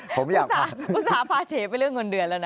อุตส่าห์พาเฉยไปเรื่องเงินเดือนแล้วนะ